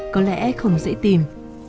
có lẽ không dễ tìm